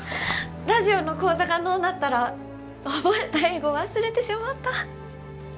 ラジオの講座がのうなったら覚えた英語忘れてしもうた。